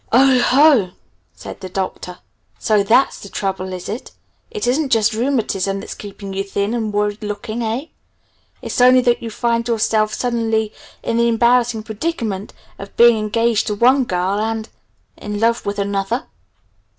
"Oh, ho!" said the Doctor. "So that's the trouble is it! It isn't just rheumatism that's keeping you thin and worried looking, eh? It's only that you find yourself suddenly in the embarrassing predicament of being engaged to one girl and in love with another?"